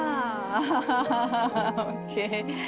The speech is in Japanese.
アハハＯＫ。